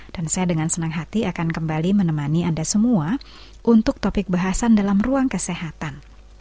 dan saya dengan senang hati akan kembali menemani anda semua untuk topik bahasan dalam ruang kesehatan